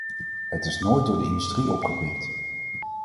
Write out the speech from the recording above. Het is nooit door de industrie opgepikt.